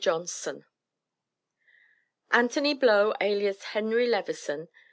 ANTHONY BLOW, ALIAS HENRY LEVISON.